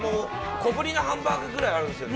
小ぶりなハンバーグくらいあるんですよね。